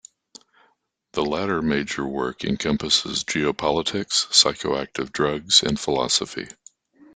The latter major work encompasses geopolitics, psychoactive drugs, and philosophy.